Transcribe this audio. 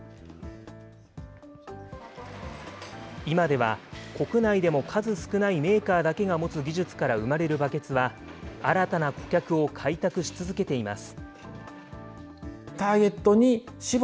今では、国内でも数少ないメーカーだけが持つ技術から生まれるバケツは、新たな顧客を開拓し続けています。